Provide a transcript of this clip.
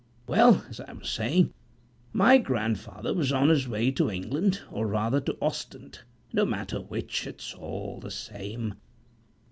Well, as I was saying, my grandfather was on his way to England, or rather to Ostend no matter which, it's all the same.